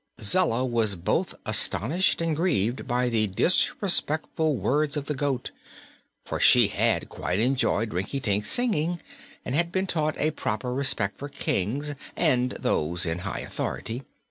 Zella was both astonished and grieved by the disrespectful words of the goat, for she had quite enjoyed Rinkitink's singing and had been taught a proper respect for Kings and those high in authority.